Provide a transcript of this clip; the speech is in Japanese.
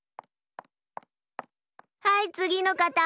はいつぎのかた。